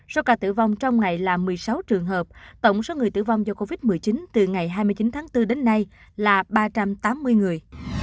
số ca tử vong trong ngày là một mươi sáu trường hợp tổng số người tử vong do covid một mươi chín từ ngày hai mươi chín tháng bốn đến nay là ba trăm tám mươi người